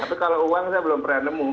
tapi kalau uang saya belum pernah nemu